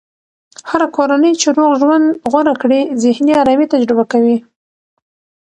هره کورنۍ چې روغ ژوند غوره کړي، ذهني ارامي تجربه کوي.